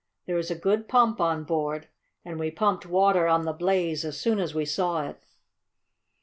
There is a good pump on board, and we pumped water on the blaze as soon as we saw it."